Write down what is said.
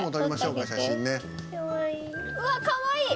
うわっかわいい！